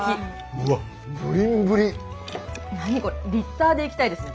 うわっ何これリッターでいきたいですね。